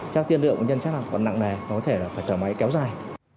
chắc tiên lượng của nhân chất là còn nặng nề có thể là phải thở máy kéo dài